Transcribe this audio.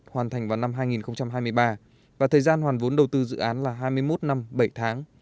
hoàn thành vào năm hai nghìn hai mươi ba và thời gian hoàn vốn đầu tư dự án là hai mươi một năm bảy tháng